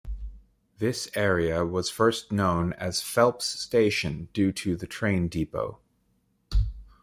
This area was first known as Phelps Station due to the train depot.